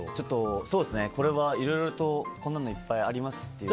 いろいろとこんなのいっぱいありますって。